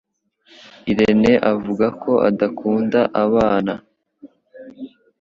irene avuga ko adakunda abana.